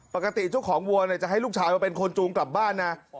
ปกติเจ้าของวัวจะให้ลูกชายมาเป็นคนจูงกลับบ้านนะ